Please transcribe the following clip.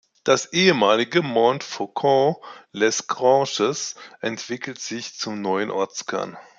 Das ehemalige Montfaucon-les-Granges entwickelte sich zum neuen Ortskern.